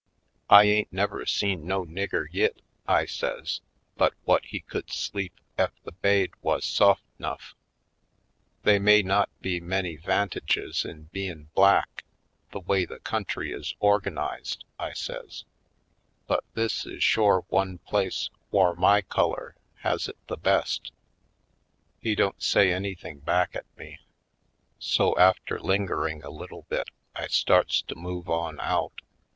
"I ain't never seen no nigger yit," I says, "but whut he could sleep ef the baid wuz soft 'nufif. They may not be many 'vantages in bein' black, the way the country is or ganized," I says, "but this is shore one place whar my culler has it the best." He don't say anything back at me. So after lingering a little bit I starts to move on out.